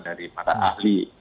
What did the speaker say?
dari para ahli